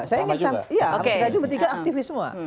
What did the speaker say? saya juga kita juga aktifis semua